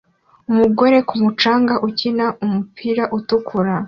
Umugore ku mucanga ukina numupira utukura